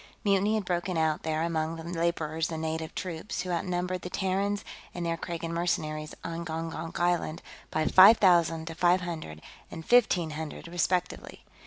Mutiny had broken out there among the laborers and native troops, who outnumbered the Terrans and their Kragan mercenaries on Gongonk Island by five thousand to five hundred and fifteen hundred respectively.